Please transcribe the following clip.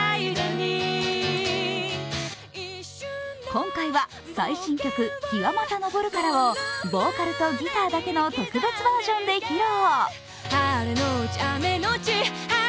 今回は最新曲「陽はまた昇るから」をボーカルとギターだけの特別バージョンで披露。